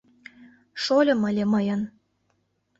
Шольым ыле мыйын.